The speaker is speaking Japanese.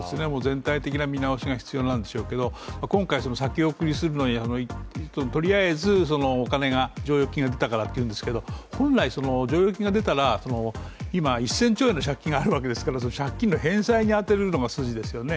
全体的な見直しが必要なんでしょうけど、今回先送りするのにとりあえずお金が剰余金が出たからっていうんですけど本来、剰余金が出たら今、１０００兆円の借金があるわけですから、借金の返済に充てるのが筋ですよね。